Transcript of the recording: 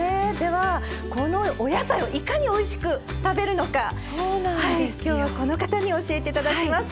このお野菜をいかにおいしく食べるのかきょうはこの方に教えていただきます。